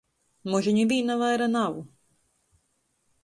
Mož i nivīna vaira nav...